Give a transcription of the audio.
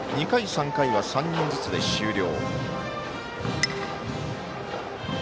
２回、３回は３人ずつで終了。